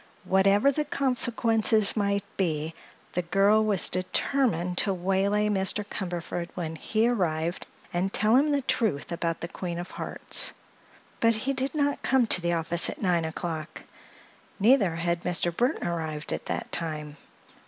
Whatever the consequences might be, the girl was determined to waylay Mr. Cumberford when he arrived and tell him the truth about the Queen of Hearts. But he did not come to the office at nine o'clock. Neither had Mr. Burthon arrived at that time.